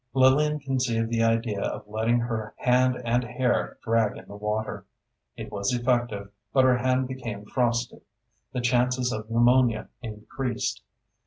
Lillian conceived the idea of letting her hand and hair drag in the water. It was effective, but her hand became frosted; the chances of pneumonia increased.